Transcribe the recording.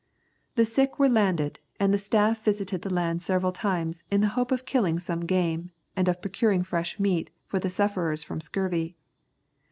The sick were landed, and the staff visited the land several times, in the hope of killing some game, and procuring fresh meat for the sufferers from scurvy.